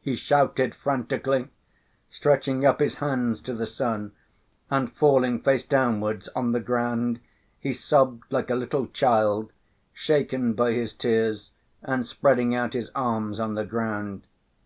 he shouted frantically, stretching up his hands to the sun, and falling face downwards on the ground, he sobbed like a little child, shaken by his tears and spreading out his arms on the ground.